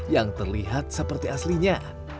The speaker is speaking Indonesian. yang terlihat seperti aslinya